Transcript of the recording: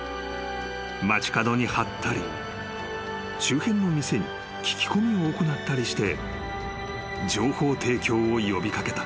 ［街角に張ったり周辺の店に聞き込みを行ったりして情報提供を呼び掛けた］